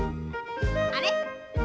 あれ？